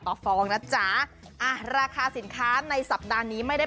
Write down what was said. ต่อฟองอ่ะจ๊าคาสินค้าในสัปดาห์นี้ไม่ได้